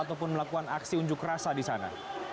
ataupun melakukan aksi unjuk rasa di sana